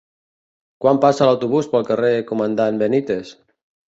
Quan passa l'autobús pel carrer Comandant Benítez?